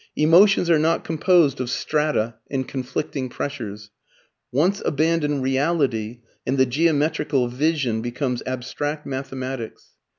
Emotions are not composed of strata and conflicting pressures. Once abandon reality and the geometrical vision becomes abstract mathematics.